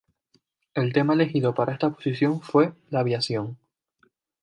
El tema elegido para esta exposición fue la "Aviación".